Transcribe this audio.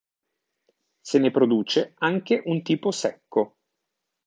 Se ne produce anche un tipo secco.